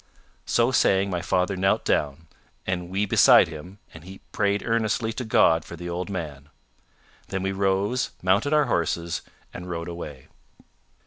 So saying, my father knelt down, and we beside him, and he prayed earnestly to God for the old man. Then we rose, mounted our horses, and rode away.